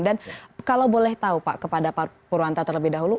dan kalau boleh tahu pak kepada pak purwanta terlebih dahulu